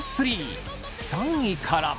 ３位から。